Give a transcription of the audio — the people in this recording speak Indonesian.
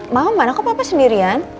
maaf mana kok papa sendirian